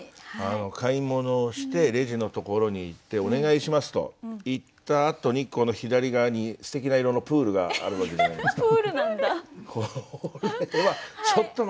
買い物をしてレジのところに行って「お願いします」と言ったあとに左側にすてきな色のプールがあるわけじゃないですか。